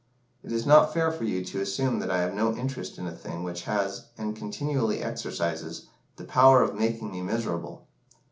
It is not fair for you to assume that I have no interest in a thing which has, and continually exercises, the power of making me miserable.